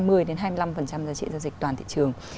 giá trị giao dịch toàn thị trường